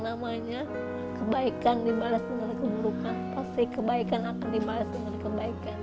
namanya kebaikan dibalas dengan keburukan pasti kebaikan akan dibahas dengan kebaikan